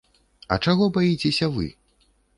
А чаго баіцеся вы?